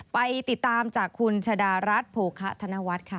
ไปติดตามจากคุณชะดารัฐโภคะธนวัฒน์ค่ะ